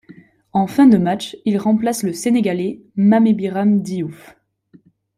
En fin de match, il remplace le sénégalais Mame Biram Diouf.